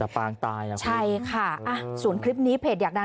แต่ปางตายหรอคุณใช่ค่ะสูญคลิปนี้เพจอยากดัง